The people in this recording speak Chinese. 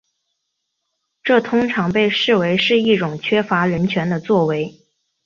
这通常被视为是一种缺乏人权的作为。